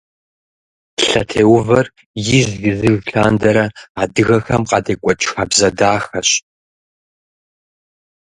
Лъэтеувэр ижь-ижьыж лъандэрэ адыгэхэм къадекӀуэкӀ хабзэ дахэщ.